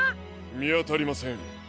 みあたりません。